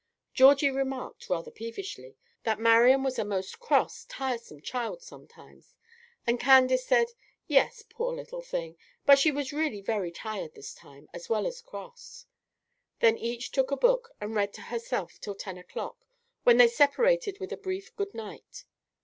Georgie remarked, rather peevishly, that Marian was a most cross, tiresome child sometimes, and Candace said, "Yes, poor little thing! but she was really very tired this time, as well as cross;" then each took a book and read to herself till ten o'clock, when they separated with a brief good night.